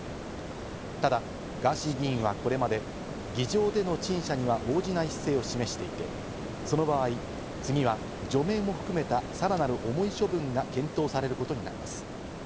ただガーシー議員はこれまで、議場での陳謝には応じない姿勢を示していて、その場合、次は除名も含めた、さらなる重い処分が検討されることになります。